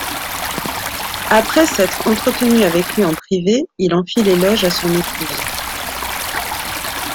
Après s'être entretenu avec lui en privé, il en fit l'éloge à son épouse.